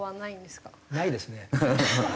ないですね。